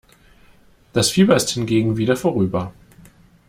Das Fieber ist hingegen wieder vorüber.